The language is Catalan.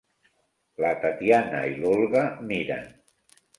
La Tatyana i l'Olga miren.